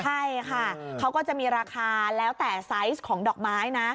ใช่ค่ะเขาก็จะมีราคาแล้วแต่ไซส์ของดอกไม้นะ